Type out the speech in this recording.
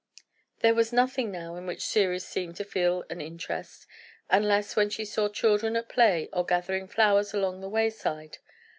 There was nothing, now, in which Ceres seemed to feel an interest, unless when she saw children at play, or gathering flowers along the wayside.